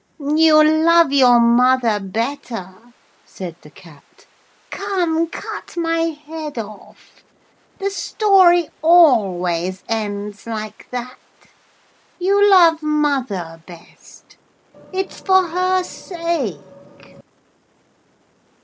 'You love your mother better,' said the Cat. 'Come cut my head off. The story always ends like that. You love mother best. It's for her sake.'